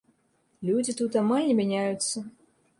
Людзі тут амаль не мяняюцца.